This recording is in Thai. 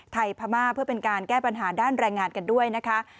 พม่าเพื่อเป็นการแก้ปัญหาด้านแรงงานกันด้วยนะคะ